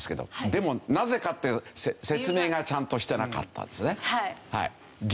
でもなぜかっていう説明がちゃんとしてなかったですよね。